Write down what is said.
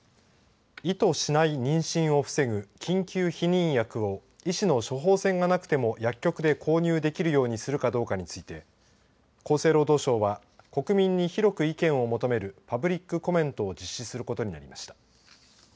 意図しない妊娠を防ぐ緊急避妊薬を医師の処方箋がなくても薬局で購入できるようにするかどうかについて厚生労働省は国民に広く意見を求めるパブリックコメントを実施することになりました。